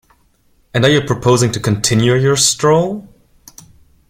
And are you proposing to continue your stroll?